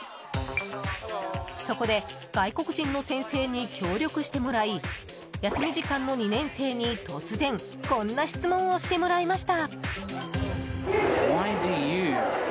そこで外国人の先生に協力してもらい休み時間の２年生に突然こんな質問をしてもらいました。